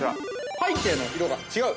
背景の色が違う。